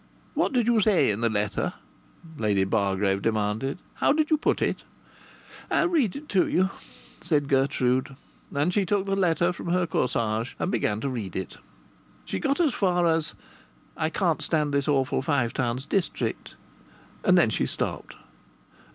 "What did you say in the letter?" Lady Bargrave demanded. "How did you put it?" "I'll read it to you," said Gertrude, and she took the letter from her corsage and began to read it. She got as far as "I can't stand this awful Five Towns district," and then she stopped.